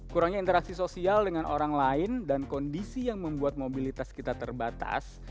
kurangnya interaksi sosial dengan orang lain dan kondisi yang membuat mobilitas kita terbatas